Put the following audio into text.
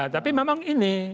tapi memang ini